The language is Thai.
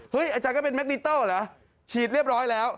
อาจารย์ก็เป็นแมคนิโตเหรอฉีดเรียบร้อยแล้ว